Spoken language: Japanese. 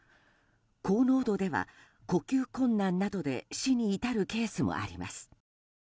高濃度では、呼吸困難などで死に至るケースもあります。